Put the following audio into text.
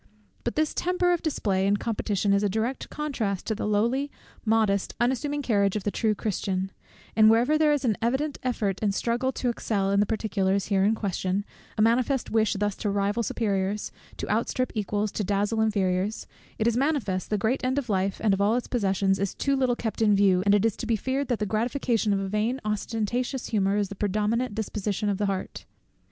But this temper of display and competition is a direct contrast to the lowly, modest, unassuming carriage of the true Christian: and wherever there is an evident effort and struggle to excel in the particulars here in question, a manifest wish thus to rival superiors, to outstrip equals, to dazzle inferiors; it is manifest the great end of life, and of all its possessions, is too little kept in view, and it is to be feared that the gratification of a vain ostentatious humour is the predominant disposition of the heart.